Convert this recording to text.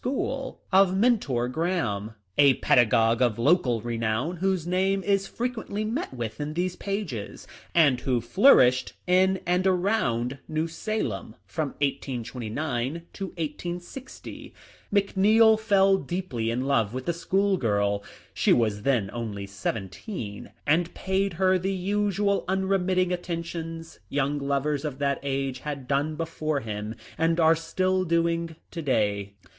132 THE LIFE OF LINCOLN. . of Mentor Graham, a pedagogue of local renown whose name is frequently met with in these pages, and who flourished in and around New Salem from 1829 to i860. McNeil fell deeply in love with the school girl — she was then only seventeen — and paid her the usual unremitting attentions young lovers of that age had done before him and are still doing to day.